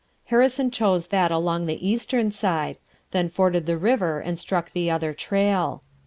Harrison chose that along the eastern side, then forded the river and struck the other trail.